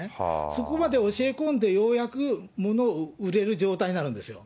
そこまで教え込んで、ようやく物を売れる状態になるんですよ。